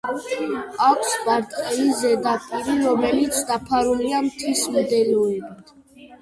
აქვს ბრტყელი ზედაპირი, რომელიც დაფარულია მთის მდელოებით.